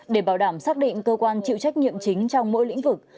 để bảo đảm xác định cơ quan chịu trách nhiệm chính trong mỗi lĩnh vực